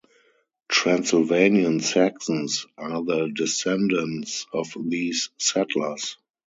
Transylvanian Saxons are the descendents of these settlers.